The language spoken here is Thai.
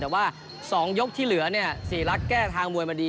แต่ว่า๒ยกที่เหลือเนี่ยศรีรักแก้ทางมวยมาดี